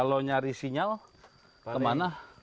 kalau nyari sinyal kemana